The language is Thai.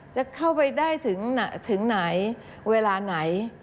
จะเข้าไปได้ถึงไหนเวลาไหน